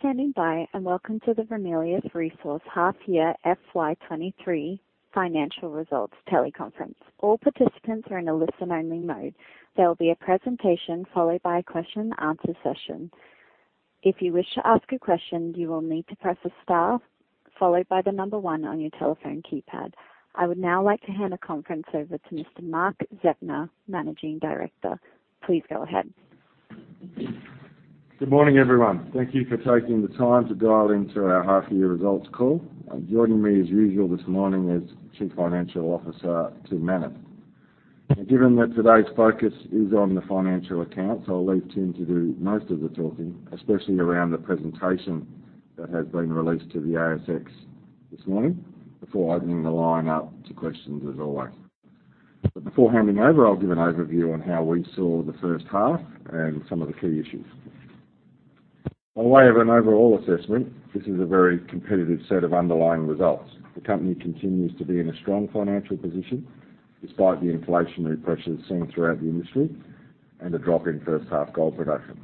Standing by, welcome to the Ramelius Resources Half Year FY23 Financial Results teleconference. All participants are in a listen-only mode. There will be a presentation followed by a question and answer session. If you wish to ask a question, you will need to press star followed by the number one on your telephone keypad. I would now like to hand the conference over to Mr. Mark Zeptner, Managing Director. Please go ahead. Good morning, everyone. Thank you for taking the time to dial into our half year results call. Joining me as usual this morning is Chief Financial Officer, Tim Manners. Given that today's focus is on the financial accounts, I'll leave Tim to do most of the talking, especially around the presentation that has been released to the ASX this morning, before opening the line up to questions as always. Before handing over, I'll give an overview on how we saw the first half and some of the key issues. By way of an overall assessment, this is a very competitive set of underlying results. The company continues to be in a strong financial position despite the inflationary pressures seen throughout the industry and a drop in first half gold production.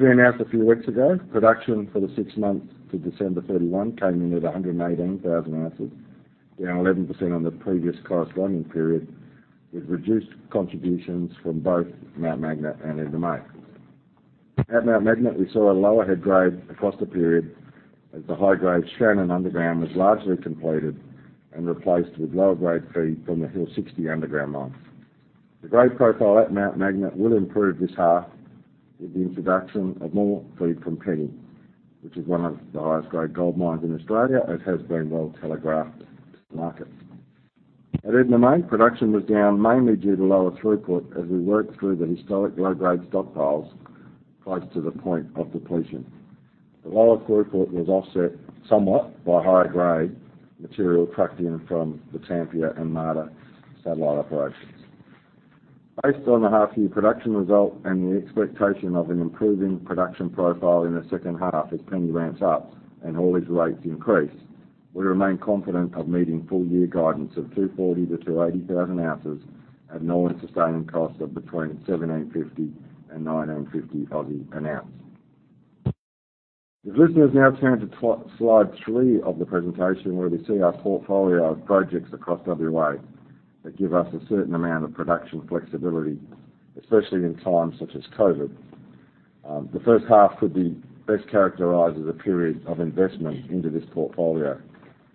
We announced a few weeks ago, production for the six months to December 31 came in at 118,000 ounces, down 11% on the previous corresponding period. We've reduced contributions from both Mount Magnet and Edna May. At Mount Magnet, we saw a lower head grade across the period as the high-grade Shannon underground was largely completed and replaced with lower grade feed from the Hill Sixty underground mine. The grade profile at Mount Magnet will improve this half with the introduction of more feed from Penny, which is one of the highest grade gold mines in Australia, as has been well telegraphed to the market. At Edna May, production was down mainly due to lower throughput as we worked through the historic low-grade stockpiles close to the point of depletion. The lower throughput was offset somewhat by high-grade material trucked in from the Tampia and Marda satellite operations. Based on the half year production result and the expectation of an improving production profile in the second half as Penny ramps up and haulage rates increase, we remain confident of meeting full year guidance of 240,000 oz-280,000 oz at an all-in sustaining cost of between AUD 1,750 and 1,950 Aussie dollars an ounce. If listeners now turn to slide three of the presentation where they see our portfolio of projects across WA that give us a certain amount of production flexibility, especially in times such as COVID. The first half could be best characterized as a period of investment into this portfolio,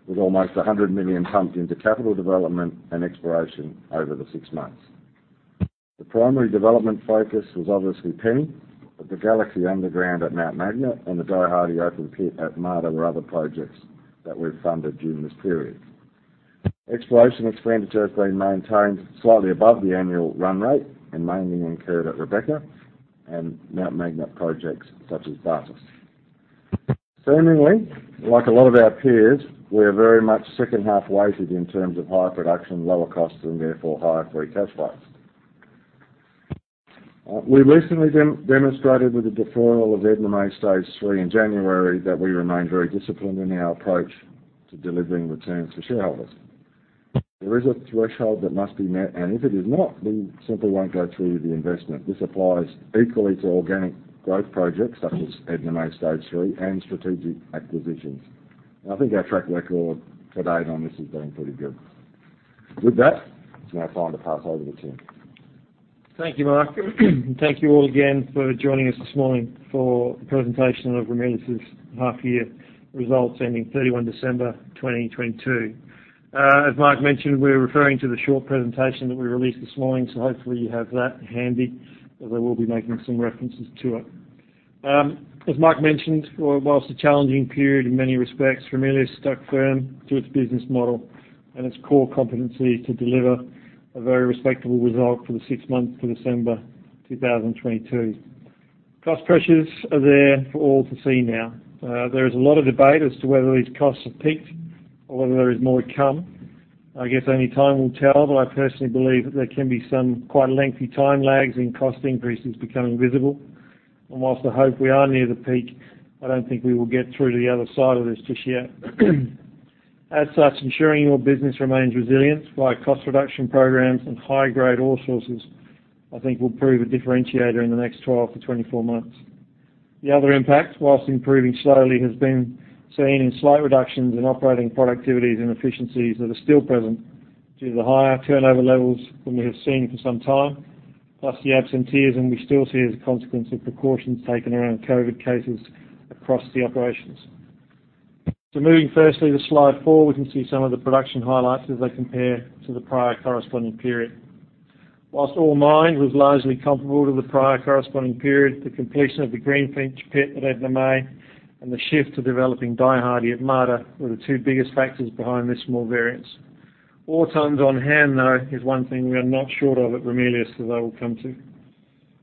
with almost 100 million pumped into capital development and exploration over the six months. The primary development focus was obviously Penny. The Galaxy underground at Mount Magnet and the Die Hardy open pit at Marda were other projects that were funded during this period. Exploration expenditure has been maintained slightly above the annual run rate and mainly incurred at Rebecca and Mount Magnet projects such as Bartus. Seemingly, like a lot of our peers, we are very much second half weighted in terms of higher production, lower costs, and therefore higher free cash flows. We recently demonstrated with the deferral of Edna May Stage 3 in January that we remain very disciplined in our approach to delivering returns to shareholders. There is a threshold that must be met and if it is not, we simply won't go through the investment. This applies equally to organic growth projects such as Edna May Stage 3 and strategic acquisitions. I think our track record to date on this has been pretty good. With that, it's now time to pass over to Tim. Thank you, Mark. Thank you all again for joining us this morning for the presentation of Ramelius's half year results ending 31 December 2022. As Mark mentioned, we're referring to the short presentation that we released this morning, so hopefully you have that handy, as I will be making some references to it. As Mark mentioned, whilst a challenging period in many respects, Ramelius stuck firm to its business model and its core competency to deliver a very respectable result for the six months to December 2022. Cost pressures are there for all to see now. There is a lot of debate as to whether these costs have peaked or whether there is more to come. I guess only time will tell, but I personally believe that there can be some quite lengthy time lags in cost increases becoming visible. Whilst I hope we are near the peak, I don't think we will get through to the other side of this just yet. As such, ensuring your business remains resilient by cost reduction programs and high grade ore sources, I think will prove a differentiator in the next 12-24 months. The other impact, whilst improving slowly, has been seen in slight reductions in operating productivities and efficiencies that are still present due to the higher turnover levels than we have seen for some time, plus the absenteeism we still see as a consequence of precautions taken around COVID cases across the operations. Moving firstly to slide four, we can see some of the production highlights as they compare to the prior corresponding period. Whilst ore mined was largely comparable to the prior corresponding period, the completion of the Greenfinch pit at Edna May and the shift to developing Die Hardy at Marda were the two biggest factors behind this small variance. Ore tonnes on hand, though, is one thing we are not short of at Ramelius Resources, as I will come to.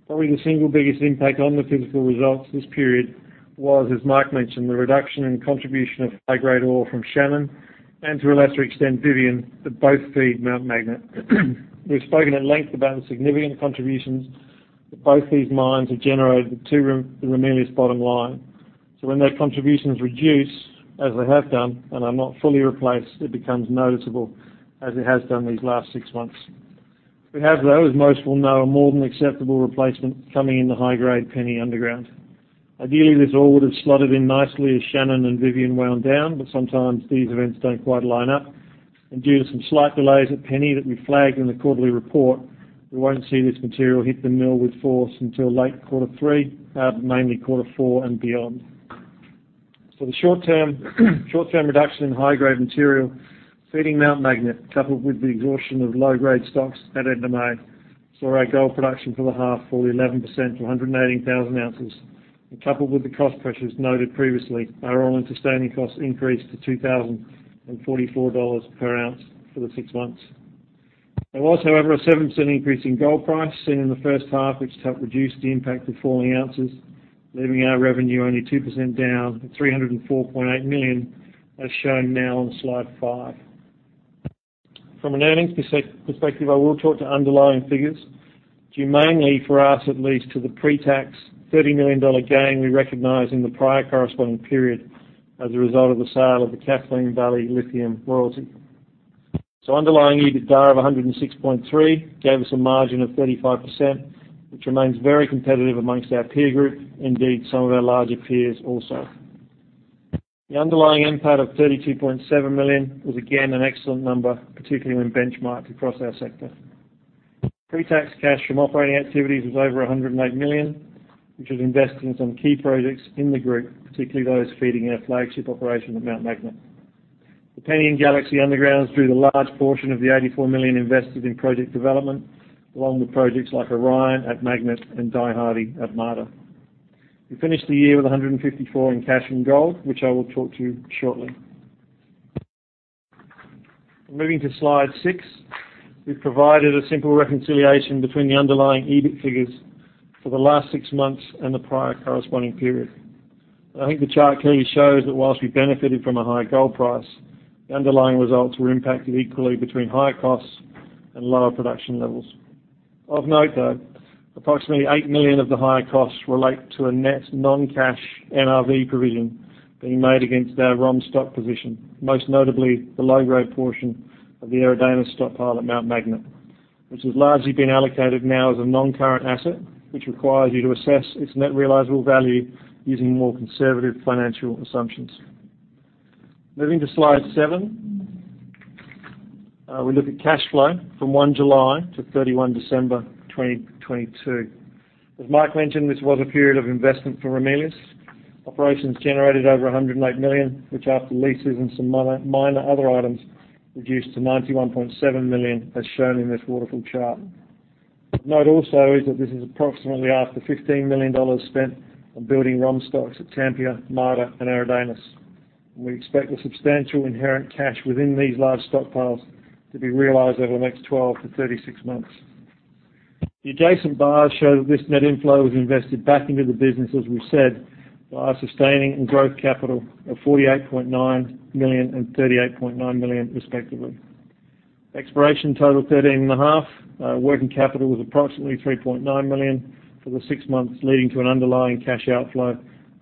Probably the single biggest impact on the physical results this period was, as Mark mentioned, the reduction in contribution of high-grade ore from Shannon and to a lesser extent Vivian that both feed Mount Magnet. We've spoken at length about the significant contributions that both these mines have generated to the Ramelius Resources bottom line. When their contributions reduce, as they have done, and are not fully replaced, it becomes noticeable, as it has done these last six months. We have, though, as most will know, a more than acceptable replacement coming in the high-grade Penny underground. Ideally, this all would have slotted in nicely as Shannon and Vivian wound down, but sometimes these events don't quite line up. Due to some slight delays at Penny that we flagged in the quarterly report, we won't see this material hit the mill with force until late quarter three, mainly quarter four and beyond. For the short term, short-term reduction in high-grade material feeding Mount Magnet, coupled with the exhaustion of low-grade stocks at Edna May, saw our gold production for the half fall 11% to 118,000 oz. Coupled with the cost pressures noted previously, our all-in sustaining costs increased to 2,044 dollars per ounce for the six months. There was, however, a 7% increase in gold price seen in the first half, which helped reduce the impact of falling ounces, leaving our revenue only 2% down at 304.8 million, as shown now on slide five. From an earnings perspective, I will talk to underlying figures, due mainly for us, at least, to the pre-tax 30 million dollar gain we recognized in the prior corresponding period as a result of the sale of the Kathleen Valley Lithium royalty. Underlying EBITDA of 106.3 million gave us a margin of 35%, which remains very competitive amongst our peer group, indeed, some of our larger peers also. The underlying NPAT of 32.7 million was again an excellent number, particularly when benchmarked across our sector. Pre-tax cash from operating activities was over 108 million, which was invested in some key projects in the group, particularly those feeding our flagship operation at Mount Magnet. The Penny and Galaxy undergrounds drew the large portion of the 84 million invested in project development, along with projects like Orion at Mount Magnet and Die Hardy at Marda. We finished the year with 154 million in cash and gold, which I will talk to you shortly. Moving to slide six, we've provided a simple reconciliation between the underlying EBIT figures for the last six months and the prior corresponding period. I think the chart clearly shows that whilst we benefited from a higher gold price, the underlying results were impacted equally between higher costs and lower production levels. Of note, though, approximately 8 million of the higher costs relate to a net non-cash NRV provision being made against our ROM stock position, most notably the low-grade portion of the Eridanus stockpile at Mount Magnet, which has largely been allocated now as a non-current asset, which requires you to assess its net realizable value using more conservative financial assumptions. Moving to slide seven, we look at cash flow from July 1 to December 31, 2022. As Mark mentioned, this was a period of investment for Ramelius. Operations generated over 108 million, which after leases and some mine-minor other items, reduced to 91.7 million, as shown in this waterfall chart. Of note also is that this is approximately after 15 million dollars spent on building ROM stocks at Tampia, Marda, and Eridanus. We expect the substantial inherent cash within these large stockpiles to be realized over the next 12-36 months. The adjacent bars show that this net inflow was invested back into the business, as we said, by our sustaining and growth capital of 48.9 million and 38.9 million, respectively. Exploration total, 13.5 million. Working capital was approximately 3.9 million for the six months, leading to an underlying cash outflow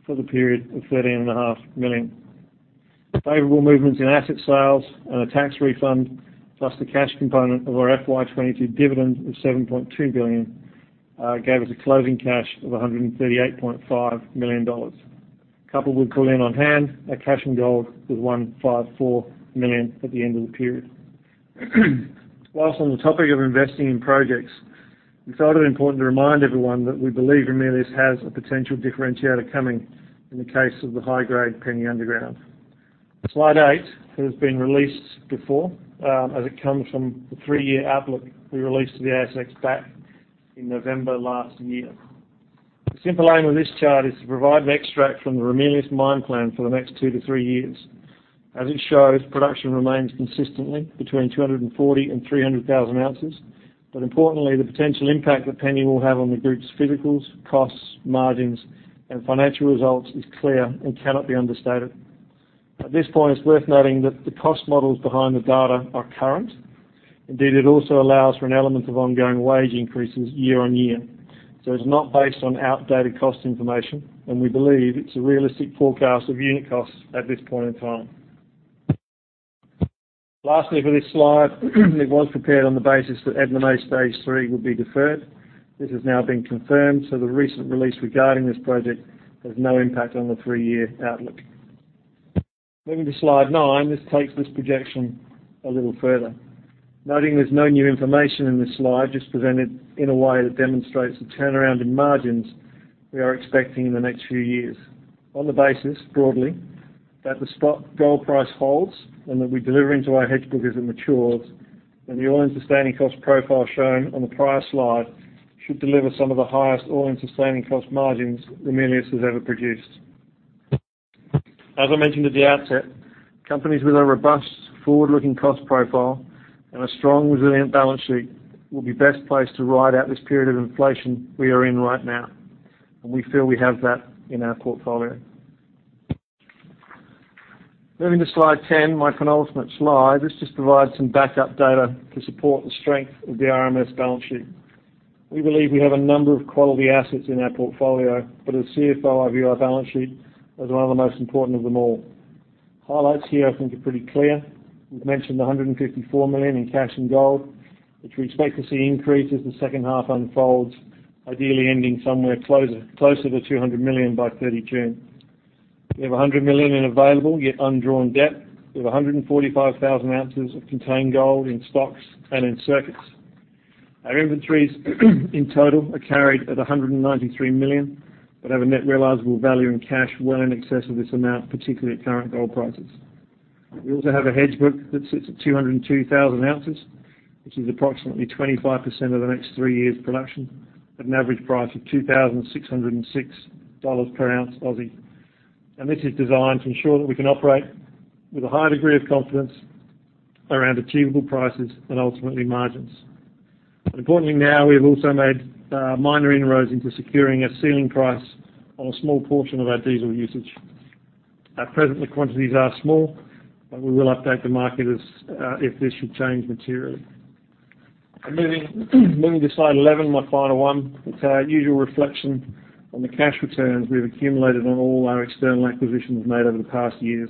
for the period of 13.5 million. Favorable movements in asset sales and a tax refund, plus the cash component of our FY 2022 dividend of 7.2 billion, gave us a closing cash of 138.5 million dollars. Coupled with bullion on hand, our cash and gold was 154 million at the end of the period. On the topic of investing in projects, we thought it important to remind everyone that we believe Ramelius has a potential differentiator coming in the case of the high-grade Penny underground. Slide eight has been released before, as it comes from the three-year outlook we released to the ASX back in November last year. The simple aim of this chart is to provide an extract from the Ramelius mine plan for the next two to three years. It shows, production remains consistently between 240 and 300,000 oz. Importantly, the potential impact that Penny will have on the group's physicals, costs, margins, and financial results is clear and cannot be understated. At this point, it's worth noting that the cost models behind the data are current. Indeed, it also allows for an element of ongoing wage increases year on year. It's not based on outdated cost information, and we believe it's a realistic forecast of unit costs at this point in time. Lastly, for this slide, it was prepared on the basis that Edna May Stage 3 would be deferred. This has now been confirmed, the recent release regarding this project has no impact on the three-year outlook. Moving to slide nine, this takes this projection a little further. Noting there's no new information in this slide, just presented in a way that demonstrates the turnaround in margins we are expecting in the next few years. On the basis, broadly, that the spot gold price holds and that we deliver into our hedge book as it matures, then the all-in sustaining cost profile shown on the prior slide should deliver some of the highest all-in sustaining cost margins Ramelius has ever produced. As I mentioned at the outset, companies with a robust forward-looking cost profile and a strong, resilient balance sheet will be best placed to ride out this period of inflation we are in right now, and we feel we have that in our portfolio. Moving to slide 10, my penultimate slide. This just provides some backup data to support the strength of the RMS balance sheet. We believe we have a number of quality assets in our portfolio, but as CFO, I view our balance sheet as one of the most important of them all. Highlights here I think are pretty clear. We've mentioned the 154 million in cash and gold, which we expect to see increase as the second half unfolds, ideally ending somewhere closer to 200 million by 30 June. We have 100 million in available, yet undrawn debt. We have 145,000 oz of contained gold in stocks and in circuits. Our inventories in total are carried at 193 million, but have a net realizable value in cash well in excess of this amount, particularly at current gold prices. We also have a hedge book that sits at 202,000 oz, which is approximately 25% of the next three years' production, at an average price of 2,606 dollars per ounce. This is designed to ensure that we can operate with a high degree of confidence around achievable prices and ultimately margins. Importantly now, we have also made minor inroads into securing a ceiling price on a small portion of our diesel usage. At present, the quantities are small, but we will update the market as if this should change materially. Moving to slide 11, my final one. It's our usual reflection on the cash returns we have accumulated on all our external acquisitions made over the past years.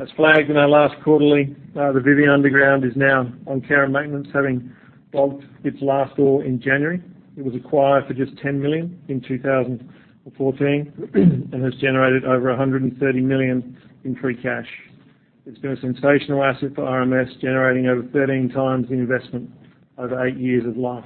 As flagged in our last quarterly, the Vivian Underground is now on care and maintenance, having logged its last ore in January. It was acquired for just 10 million in 2014 and has generated over 130 million in free cash. It's been a sensational asset for RMS, generating over 13 times the investment over eight years of life.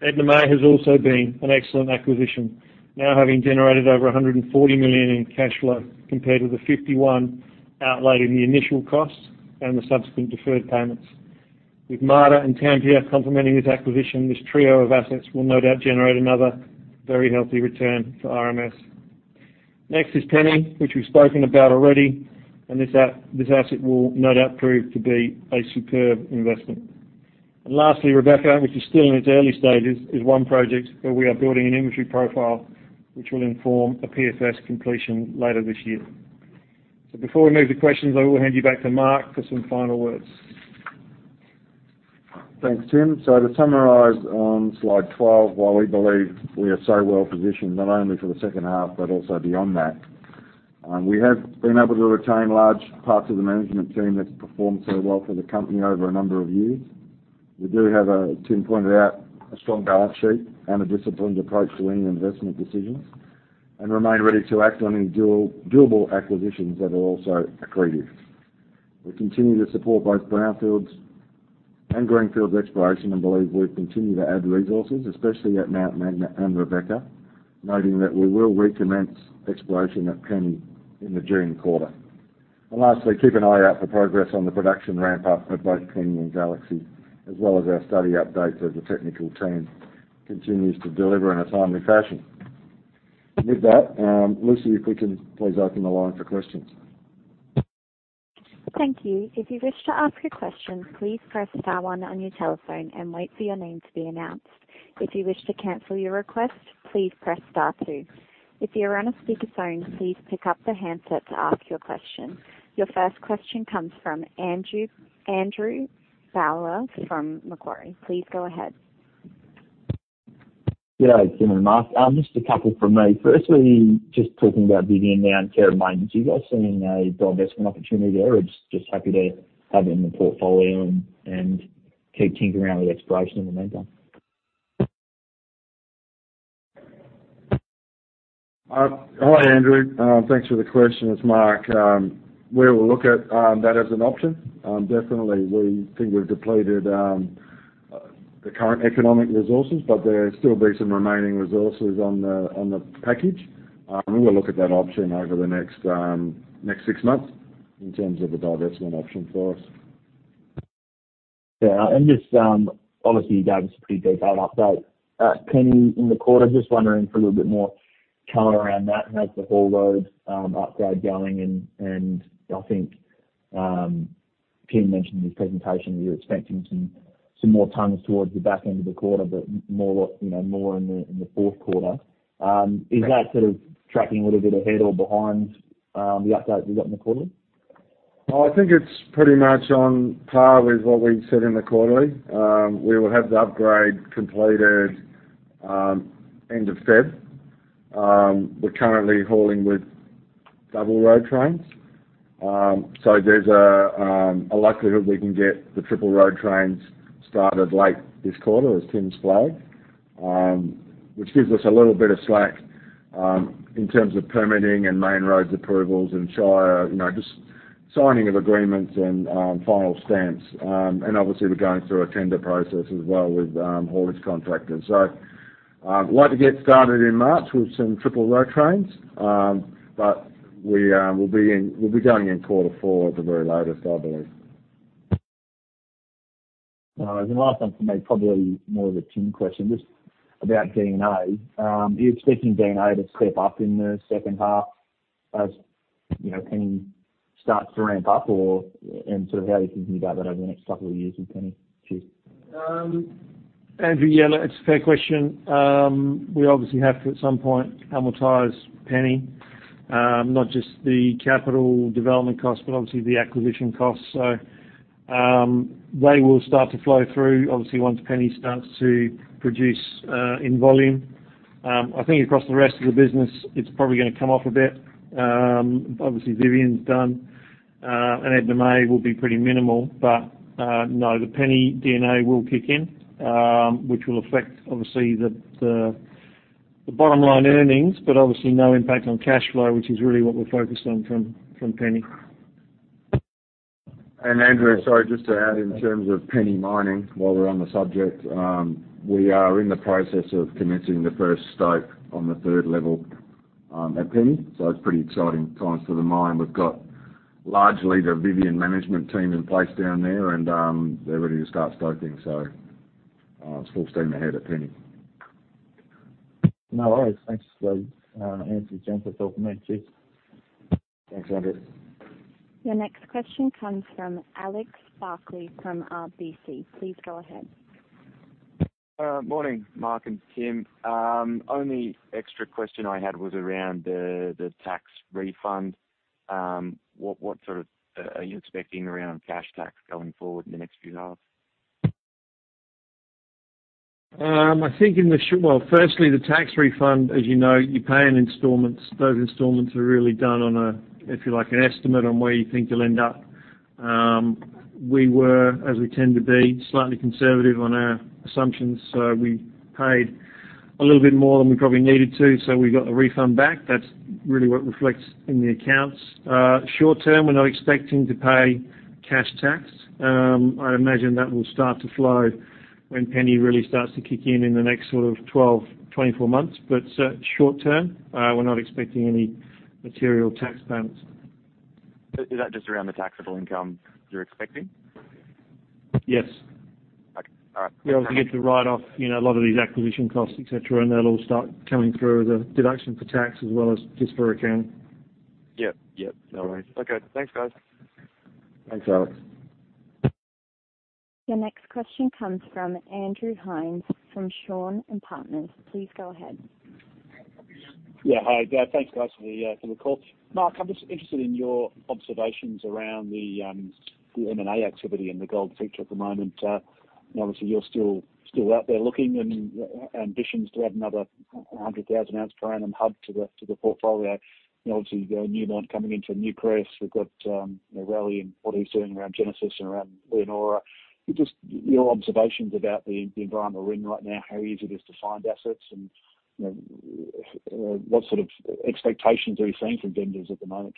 Edna May has also been an excellent acquisition, now having generated over 140 million in cash flow compared with the 51 outlaid in the initial costs and the subsequent deferred payments. With Marda and Tampia complementing this acquisition, this trio of assets will no doubt generate another very healthy return for RMS. Next is Penny, which we've spoken about already, this asset will no doubt prove to be a superb investment. Lastly, Rebecca, which is still in its early stages, is one project where we are building an inventory profile which will inform a PFS completion later this year. Before we move to questions, I will hand you back to Mark for some final words. Thanks, Tim. To summarize on Slide 12, while we believe we are so well-positioned, not only for the second half, but also beyond that, we have been able to retain large parts of the management team that's performed so well for the company over a number of years. We do have, Tim pointed out, a strong balance sheet and a disciplined approach to any investment decisions, and remain ready to act on any doable acquisitions that are also accretive. We continue to support both brownfields and greenfields exploration and believe we continue to add resources, especially at Mount Magnet and Rebecca, noting that we will recommence exploration at Penny in the June quarter. Lastly, keep an eye out for progress on the production ramp up at both Penny and Galaxy, as well as our study updates as the technical team continues to deliver in a timely fashion. With that, Lucy, if we can please open the line for questions. Thank you. If you wish to ask your question, please press star one on your telephone and wait for your name to be announced. If you wish to cancel your request, please press star two. If you're on a speakerphone, please pick up the handset to ask your question. Your first question comes from Andrew Bowler from Macquarie. Please go ahead. Yeah, Tim Manners and Mark Zeptner. Just a couple from me. Firstly, just talking about Vivian now in care and maintenance. Are you guys seeing a divestment opportunity there, or just happy to have it in the portfolio and keep tinkering around with exploration in the meantime? Hi, Andrew. Thanks for the question. It's Mark. We will look at that as an option. Definitely we think we've depleted the current economic resources, but there still be some remaining resources on the, on the package. We will look at that option over the next six months in terms of a divestment option for us. Yeah. Just obviously you gave us a pretty detailed update. At Penny in the quarter, just wondering for a little bit more color around that and how's the haul road upgrade going and I think Tim mentioned in his presentation that you're expecting some more tons towards the back end of the quarter, but more a lot, you know, more in the fourth quarter. Is that sort of tracking a little bit ahead or behind the update we got in the quarter? I think it's pretty much on par with what we said in the quarterly. We will have the upgrade completed, end of February. We're currently hauling with double road trains. There's a likelihood we can get the triple road trains started late this quarter, as Tim's flagged, which gives us a little bit of slack, in terms of permitting and main roads approvals and shire, you know, just signing of agreements and final stamps. Obviously we're going through a tender process as well with haulage contractors. Like to get started in March with some triple road trains. We'll be going in quarter four at the very latest, I believe. The last one for me, probably more of a Tim Manners question, just about DNA. Are you expecting DNA to step up in the second half as, you know, Penny starts to ramp up or, and sort of how are you thinking about that over the next couple of years with Penny? Cheers. Andrew, yeah, look, it's a fair question. We obviously have to at some point amortize Penny, not just the capital development cost, but obviously the acquisition costs. They will start to flow through obviously once Penny starts to produce in volume. I think across the rest of the business, it's probably gonna come off a bit. Obviously Vivian's done, and Edna May will be pretty minimal, but no, the Penny DNA will kick in, which will affect obviously the bottom line earnings, but obviously no impact on cash flow, which is really what we're focused on from Penny. Andrew, sorry, just to add in terms of Penny Mining while we're on the subject. We are in the process of commencing the first stope on the third level, at Penny, so it's pretty exciting times for the mine. We've got largely the Vivian management team in place down there, and they're ready to start stoping. Full steam ahead at Penny. No worries. Thanks for answering. Thanks, Andrew. Your next question comes from Alex Barkley from RBC. Please go ahead. Morning, Mark and Tim. Only extra question I had was around the tax refund. What sort of are you expecting around cash tax going forward in the next few halves? Well, firstly, the tax refund, as you know, you pay in installments. Those installments are really done on a, if you like, an estimate on where you think you'll end up. We were, as we tend to be, slightly conservative on our assumptions, we paid a little bit more than we probably needed to, so we got the refund back. That's really what reflects in the accounts. Short term, we're not expecting to pay cash tax. I'd imagine that will start to flow when Penny really starts to kick in in the next sort of 12, 24 months. Short term, we're not expecting any material tax payments. Is that just around the taxable income you're expecting? Yes. Okay. All right. Be able to get the write off, you know, a lot of these acquisition costs, et cetera, and they'll all start coming through the deduction for tax as well as just for accounting. Yep. Yep. No worries. Okay. Thanks, guys. Thanks, Alex. Your next question comes from Andrew Hines from Shaw and Partners. Please go ahead. Hi there. Thanks, guys, for the call. Mark, I'm just interested in your observations around the M&A activity in the gold sector at the moment. Obviously, you're still out there looking and ambitions to add another 100,000 oz per annum hub to the portfolio. You know, obviously, you have Newmont coming into Newcrest Mining Limited. We've got, you know, Raleigh Finlayson and what he's doing around Genesis Minerals and around Leonora. Just your observations about the environment we're in right now, how easy it is to find assets and, you know, what sort of expectations are you seeing from vendors at the moment?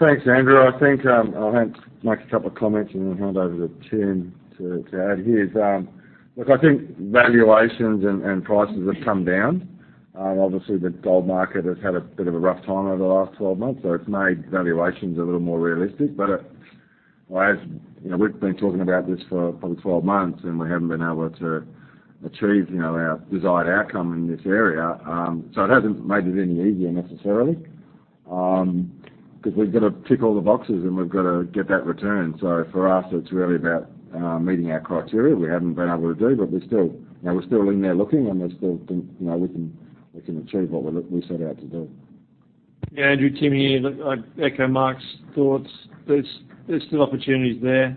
Thanks, Andrew. I think, I'll hand Mark a couple of comments and then hand over to Tim to add his. Look, I think valuations and prices have come down. Obviously the gold market has had a bit of a rough time over the last 12 months, so it's made valuations a little more realistic. As, you know, we've been talking about this for probably 12 months, and we haven't been able to achieve, you know, our desired outcome in this area. It hasn't made it any easier necessarily, 'cause we've got to tick all the boxes and we've got to get that return. For us, it's really about meeting our criteria. We haven't been able to do, but we're still, you know, we're still in there looking and we still think, you know, we can achieve what we set out to do. Yeah. Andrew, Tim here. Look, I'd echo Mark's thoughts. There's still opportunities there.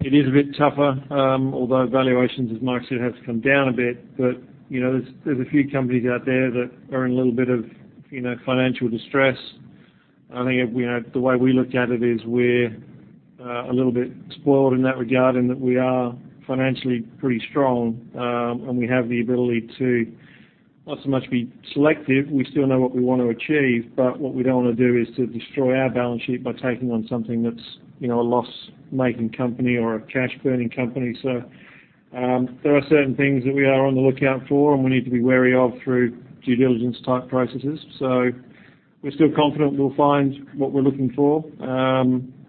It is a bit tougher, although valuations, as Mark said, have come down a bit. You know, there's a few companies out there that are in a little bit of, you know, financial distress. The way we look at it is we're a little bit spoiled in that regard, in that we are financially pretty strong, and we have the ability to not so much be selective. We still know what we want to achieve, what we don't want to do is to destroy our balance sheet by taking on something that's, you know, a loss-making company or a cash burning company. There are certain things that we are on the lookout for and we need to be wary of through due diligence type processes. We're still confident we'll find what we're looking for.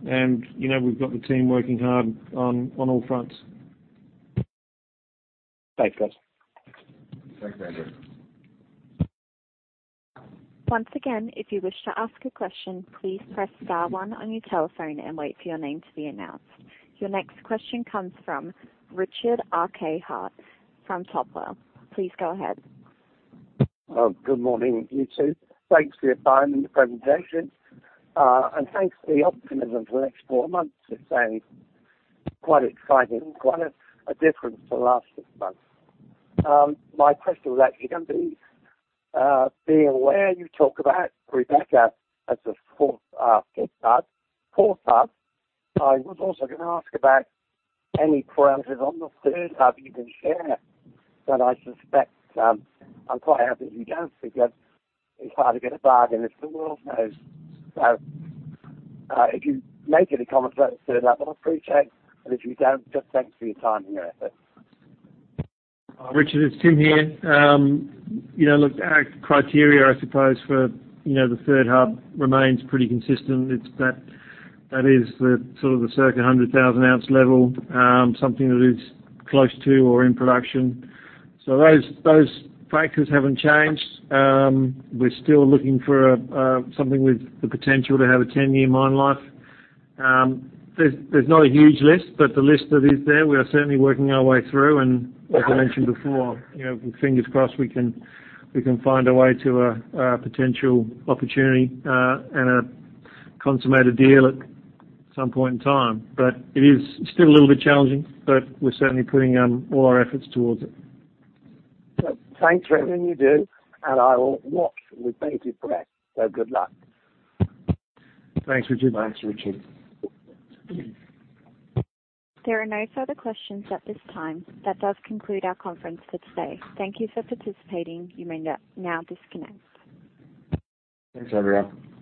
And, you know, we've got the team working hard on all fronts. Thanks, guys. Thanks, Andrew. Once again, if you wish to ask a question, please press star one on your telephone and wait for your name to be announced. Your next question comes from Richard Hatch from [Topwell]. Please go ahead. Good morning to you too. Thanks for your time and the presentation. Thanks for the optimism for the next four months. It's quite exciting. Quite a difference to last six months. My question was actually going to be, being aware you talk about Rebecca as a fourth, fifth hub, fourth hub. I was also gonna ask about any progress on the third hub you can share, but I suspect, I'm quite happy you don't because it's hard to get a bargain, as the world knows. If you make any comments about the third hub, I'll appreciate, and if you don't, just thanks for your time and your effort. Richard, it's Tim here. You know, look, our criteria, I suppose, for, you know, the third hub remains pretty consistent. It's that, the sort of the circa 100,000 oz level, something that is close to or in production. Those factors haven't changed. We're still looking for something with the potential to have a 10-year mine life. There's not a huge list, but the list that is there, we are certainly working our way through. As I mentioned before, you know, fingers crossed, we can find a way to a potential opportunity and a consummated deal at some point in time. It is still a little bit challenging, but we're certainly putting all our efforts towards it. Thanks for everything you do, and I will watch with bated breath. Good luck. Thanks, Richard. Thanks, Richard. There are no further questions at this time. That does conclude our conference for today. Thank you for participating. You may now disconnect. Thanks, everyone.